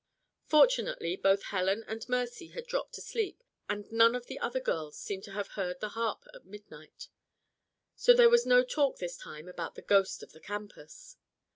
Fortunately both Helen and Mercy had dropped to sleep and none of the other girls seemed to have heard the harp at midnight. So there was no talk this time about the Ghost of the Campus.